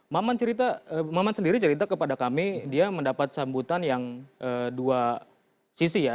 maman cerita maman sendiri cerita kepada kami dia mendapat sambutan yang dua sisi ya